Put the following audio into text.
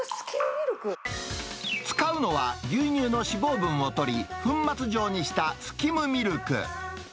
使うのは、牛乳の脂肪分を取り、粉末状にしたスキムミルク。